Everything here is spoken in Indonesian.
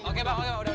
jangan biar demun